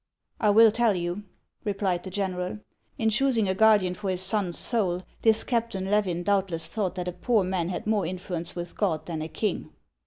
" I will tell you," replied the general. " In choosing a guardian for his son's soul, this Captain Levin doubtless thought that a poor man had more influence with God than a king."